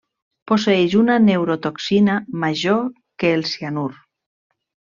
Posseeix una neurotoxina major que el cianur.